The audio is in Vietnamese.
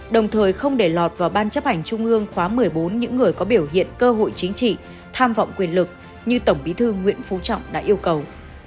đồng thời không để lọt vào ban chấp hành trung ương khóa một mươi bốn những người có biểu hiện cơ hội chính trị tham vọng quyền lực như tổng bí thư nguyễn phú trọng đã yêu cầu